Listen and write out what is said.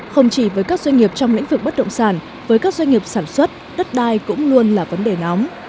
không chỉ với các doanh nghiệp trong lĩnh vực bất động sản với các doanh nghiệp sản xuất đất đai cũng luôn là vấn đề nóng